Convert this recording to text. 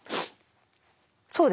そうですね。